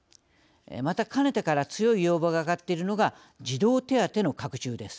またかねてから強い要望が上がっているのが児童手当の拡充です。